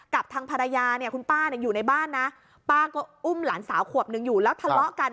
กับทางภรรยาเนี่ยคุณป้าเนี่ยอยู่ในบ้านนะป้าก็อุ้มหลานสาวขวบหนึ่งอยู่แล้วทะเลาะกัน